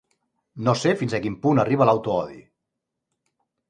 No sé fins a quin punt arriba l’autoodi!